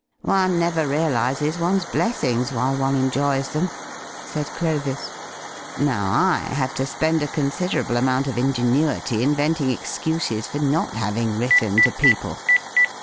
"One never realises one's blessings while one enjoys them," said Clovis; "now I have to spend a considerable amount of ingenuity inventing excuses for not having written to people."